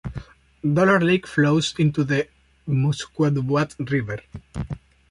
Dollar Lake flows into the Musquodoboit River.